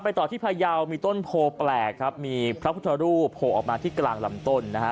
ต่อที่พยาวมีต้นโพแปลกครับมีพระพุทธรูปโผล่ออกมาที่กลางลำต้นนะฮะ